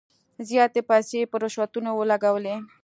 زیاتي پیسې په رشوتونو ولګولې.